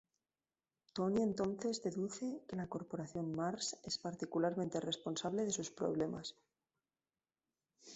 Tony entonces deduce que la Corporación Marrs es parcialmente responsable de sus problemas.